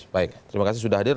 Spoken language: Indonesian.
baik terima kasih sudah hadir